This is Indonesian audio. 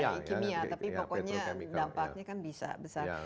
ini kimia tapi pokoknya dampaknya kan bisa besar